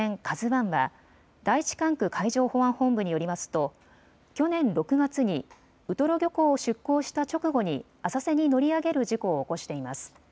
ＫＡＺＵわんは第１管区海上保安本部によりますと去年６月にウトロ漁港を出港した直後に浅瀬に乗り上げる事故を起こしています。